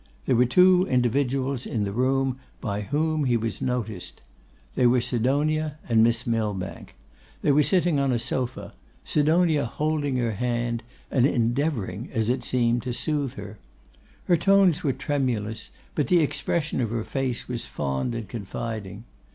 There were two individuals in the room, by whom he was unnoticed. They were Sidonia and Miss Millbank. They were sitting on a sofa, Sidonia holding her hand and endeavouring, as it seemed, to soothe her. Her tones were tremulous; but the expression of her face was fond and confiding.